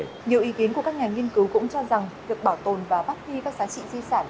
tuy nhiên nhiều ý kiến của các nhà nghiên cứu cũng cho rằng việc bảo tồn và phát huy các giá trị di sản